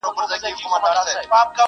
هره ورځ به وو دهقان ته پټ په غار کي٫